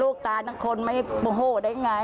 ลูกตายทั้งคนไม่โหดได้ยังไง